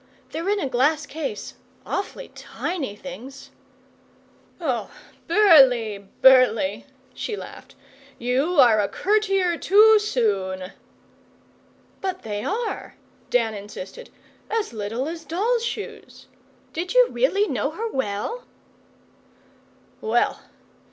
They're in a glass case awfully tiny things.' 'Oh, Burleigh, Burleigh!' she laughed. 'You are a courtier too soon.' 'But they are,' Dan insisted. 'As little as dolls' shoes. Did you really know her well?' 'Well.